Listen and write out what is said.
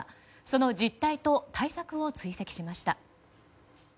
その実態と対策を追跡しました。